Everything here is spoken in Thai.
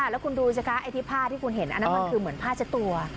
แล้วคุณดูสิคะไอ้ที่ผ้าที่คุณเห็นอันนั้นมันคือเหมือนผ้าเช็ดตัว